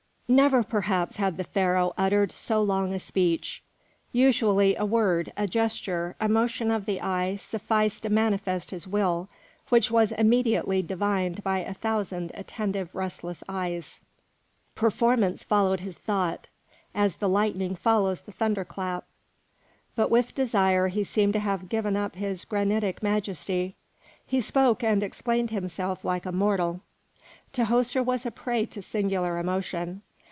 Never, perhaps, had the Pharaoh uttered so long a speech; usually a word, a gesture, a motion of the eye sufficed to manifest his will, which was immediately divined by a thousand attentive, restless eyes; performance followed his thought, as the lightning follows the thunder clap. But with desire he seemed to have given up his granitic majesty; he spoke and explained himself like a mortal. Tahoser was a prey to singular emotion.